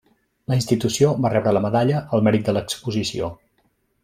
La institució va rebre la Medalla al Mèrit de l’Exposició.